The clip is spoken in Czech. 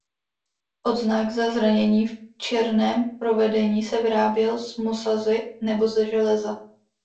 Odznak za zranění v černém provedení se vyráběl z mosazi nebo ze železa.